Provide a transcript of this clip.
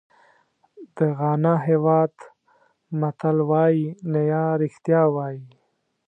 د غانا هېواد متل وایي نیا رښتیا وایي.